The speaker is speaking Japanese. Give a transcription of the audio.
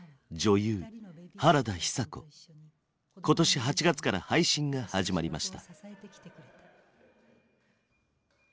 今年８月から配信が始まりました。